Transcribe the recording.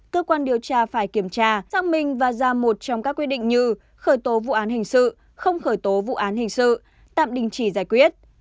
cơ quan điều tra phải kiểm tra xác minh và ra một trong các quyết định như khởi tố vụ án hình sự không khởi tố vụ án hình sự tạm đình chỉ giải quyết